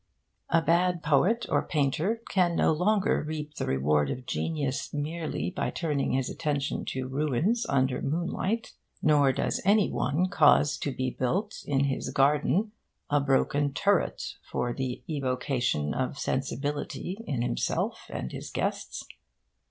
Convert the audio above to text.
A bad poet or painter can no longer reap the reward of genius merely by turning his attention to ruins under moonlight. Nor does any one cause to be built in his garden a broken turret, for the evocation of sensibility in himself and his guests.